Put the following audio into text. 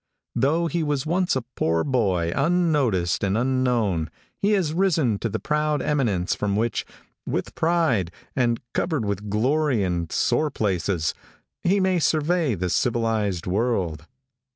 Though he was once a poor boy, unnoticed and unknown, he has risen to the proud eminence from which, with pride, and covered with glory and sore places, he may survey the civilized world.